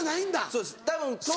「そうです」？